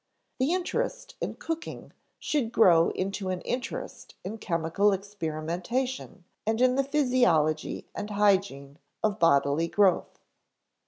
The interest in cooking should grow into an interest in chemical experimentation and in the physiology and hygiene of bodily growth.